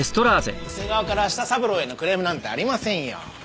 店側から舌三郎へのクレームなんてありませんよ。